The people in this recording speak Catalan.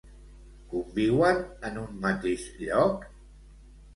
Conviuen en un mateix lloc?